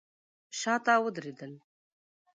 شاته ودرېدل.